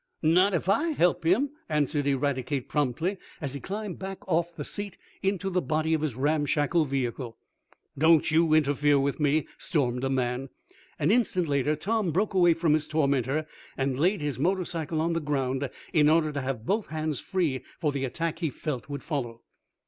"Not ef I help him," answered Eradicate promptly, as he climbed back off the seat, into the body of his ramshackle vehicle. "Don't you interfere with me!" stormed the man. An instant later Tom broke away from his tormentor, and laid his motor cycle on the ground, in order to have both hands free for the attack he felt would follow.